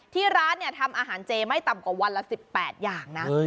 ที่ร้านทำอาหารเจไม่ต่ำกว่าวันละ๑๘อย่างนะ